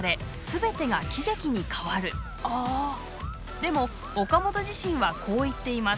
でも岡本自身はこう言っています。